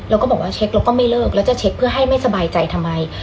เราก็บอกว่าเช็คแล้วก็ไม่เลิกแล้วจะเช็คเพื่อให้ไม่สบายใจทำไม